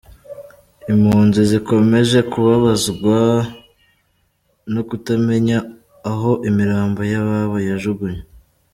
Impunzi zikomeje kubabazwa no kutamenya aho imirambo y’ababo yajugunywe.